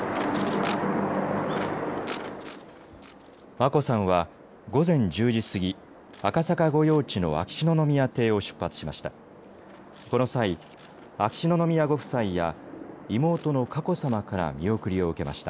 眞子さんは、午前１０時過ぎ、赤坂御用地の秋篠宮邸を出発しました。